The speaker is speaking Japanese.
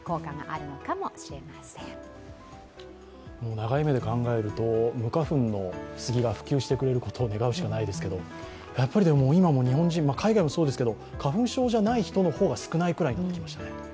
長い目で考えると無花粉の杉が普及してくれることを願うしかないんですが、やっぱり、今も日本人海外もそうですけど花粉症じゃない人の方が少ないくらいになってきましたね。